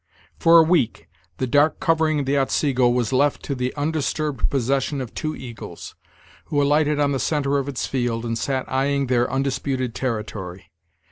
For a week, the dark covering of the Otsego was left to the undisturbed possession of two eagles, who alighted on the centre of its field, and sat eyeing their undisputed territory.